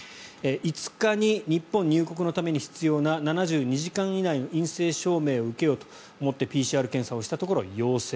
５日に、日本入国のために必要な７２時間以内の陰性証明を受けようと思ってＰＣＲ検査をしたところ陽性。